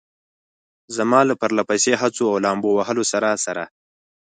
زما له پرله پسې هڅو او لامبو وهلو سره سره.